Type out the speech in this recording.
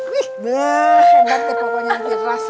rasa indah dulu deh